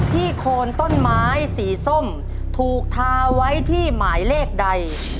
โคนต้นไม้สีส้มถูกทาไว้ที่หมายเลขใด